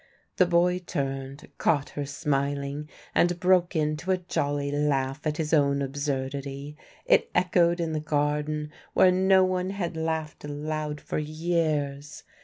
The boy turned, caught her smiling, and broke into a jolly laugh at his own absurdity. It echoed in the garden, where no one had laughed aloud for years.